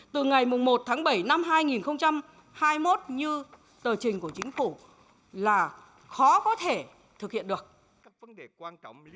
từ ngày một tháng bảy năm hai nghìn hai mươi một như tờ trình của chính phủ là khó có thể thực hiện được